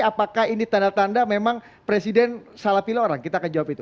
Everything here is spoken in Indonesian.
apakah ini tanda tanda memang presiden salah pilih orang kita akan jawab itu